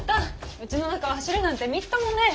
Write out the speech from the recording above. うちの中を走るなんてみっともねぇ。